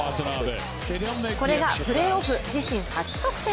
これがプレーオフ自身初得点。